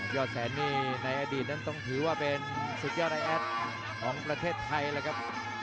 อดแสนนี่ในอดีตนั้นต้องถือว่าเป็นสุดยอดไอแอดของประเทศไทยแล้วครับ